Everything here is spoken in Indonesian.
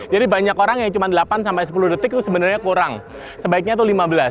jadi banyak orang yang cuma delapan sampai sepuluh detik itu sebenarnya kurang sebaiknya itu lima belas